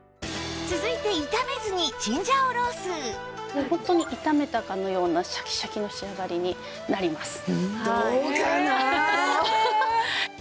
続いて炒めずにホントに炒めたかのようなシャキシャキの仕上がりになります。